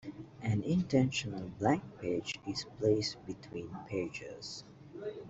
An intentional blank page is placed between pages.